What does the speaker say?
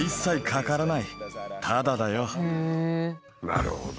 なるほど。